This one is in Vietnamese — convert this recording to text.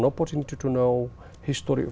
để có thể thấy và nhìn thấy